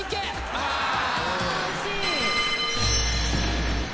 ああ惜しい。